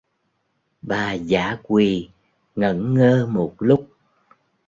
Bà dã quỳ ngẩn ngơ một lúc